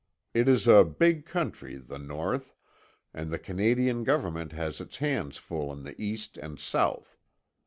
It is a big country, the North, and the Canadian government has its hands full in the east and south.